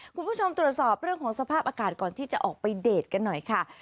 คุณผู้ชมตรวจสอบเรื่องของสภาพอากาศก่อนที่จะออกไปเดทกันหน่อยค่ะ